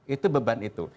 itu beban itu